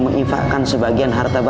mengifatkan sebagian harta harga